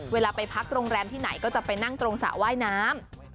เวลาไปพักโรงแรมที่ไหนก็จะไปนั่งตรงสระว่ายน้ำ